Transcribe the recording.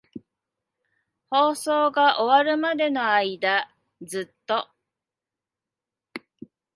放送が終わるまでの間、ずっと。